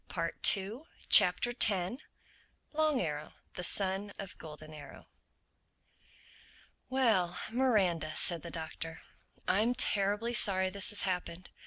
THE TENTH CHAPTER LONG ARROW, THE SON OF GOLDEN ARROW "WELL, Miranda," said the Doctor. "I'm terribly sorry this has happened.